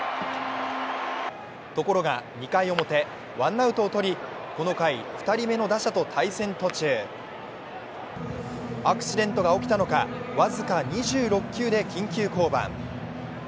ところが２回表、ワンアウトをとりこの回、２人目の打者と対戦中、アクシデントが起きたのか僅か２６球で緊急降板。